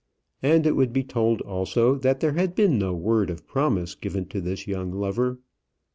And it would be told also that there had been no word of promise given to this young lover.